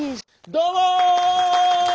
どうも！